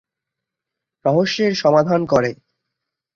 রহস্যের সমাধান করে।